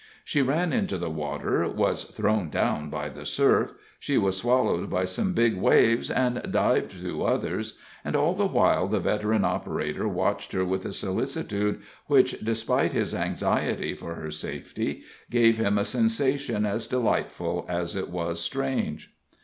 She ran into the water, was thrown down by the surf, she was swallowed by some big waves and dived through others, and all the while the veteran operator watched her with a solicitude, which, despite his anxiety for her safety, gave him a sensation as delightful as it was strange.